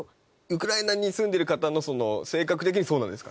ウクライナに住んでる方の性格的にそうなんですかね？